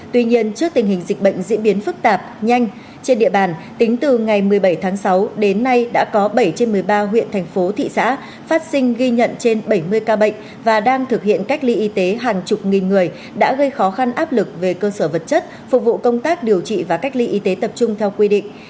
tuy nhiên trước tình hình dịch bệnh diễn biến phức tạp nhanh trên địa bàn tính từ ngày một mươi bảy tháng sáu đến nay đã có bảy trên một mươi ba huyện thành phố thị xã phát sinh ghi nhận trên bảy mươi ca bệnh và đang thực hiện cách ly y tế hàng chục nghìn người đã gây khó khăn áp lực về cơ sở vật chất phục vụ công tác điều trị và cách ly y tế tập trung theo quy định